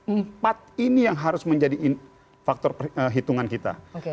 empat ini yang harus menjadi faktor perhitungan kita